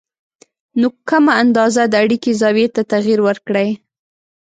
نو کمه اندازه د اړیکې زاویې ته تغیر ورکړئ